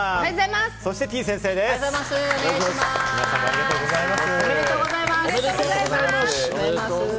皆さんもありがとうございます。